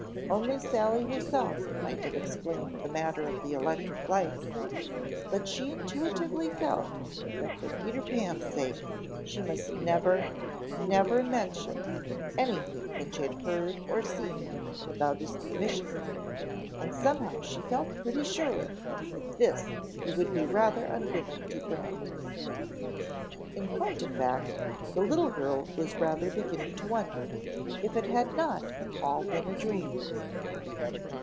Only Sally herself might have explained the matter of the electric lights, but she intuitively felt that for Peter Pan's sake she must never, never mention anything that she had heard or seen without his permission; and somehow she felt pretty sure that this he would be rather unwilling to grant. In point of fact the little girl was rather beginning to wonder if it had not all been a dream.